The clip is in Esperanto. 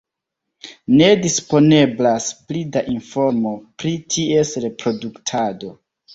Ne disponeblas pli da informo pri ties reproduktado.